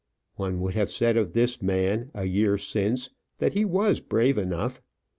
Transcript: One would have said of this man, a year since, that he was brave enough.